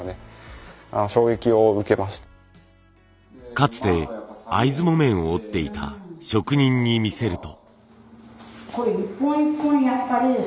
かつて会津木綿を織っていた職人に見せると。